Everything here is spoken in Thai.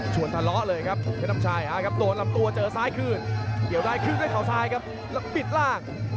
ชวนทะเลาเลยครับเพชรน้ำชายครับเดี๋ยวรับตัวสายคลีนเดี๋ยวได้แค่้าวซ้ายครับกลับปิดร่าง